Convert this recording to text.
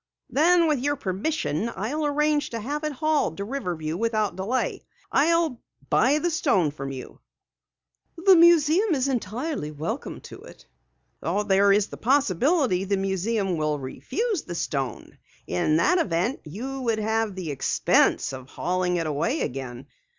"Then with your permission, I'll arrange to have it hauled to Riverview without delay. I'll buy the stone from you." "The museum is entirely welcome to it." "There is a possibility that the museum will refuse the stone. In that event you would have the expense of hauling it away again.